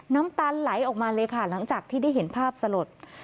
น้ำตาลไหลออกมาเลยค่ะหลังจากที่ได้เห็นภาพสลด